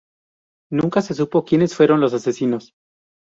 Nunca se supo quienes fueron los asesinos.